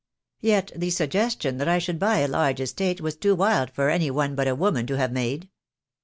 Yet the suggestion that I should buy a large estate was too wild for any one but a woman to have made.